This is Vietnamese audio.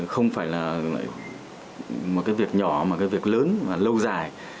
không phải là một việc nhỏ mà việc lớn và lâu dài